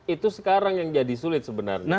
itu sekarang yang jadi sulit sebenarnya